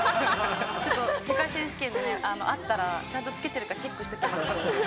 世界選手権で会ったらちゃんとつけてるかチェックしときます。